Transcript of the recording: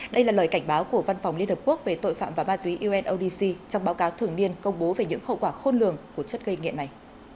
đây là lời cảnh báo của văn phòng liên hợp quốc về tội phạm và ma túy unodc trong báo cáo thường niên công bố về những hậu quả khôn lường của chất gây nghiện này